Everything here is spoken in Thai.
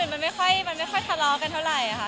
มันไม่ค่อยทะเลาะกันเท่าไหร่ค่ะ